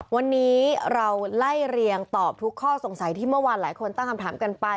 วันนี้เราไล่เรียงตอบทุกข้อสงสัยที่เมื่อวานหลายคนตั้งคำถามกันไป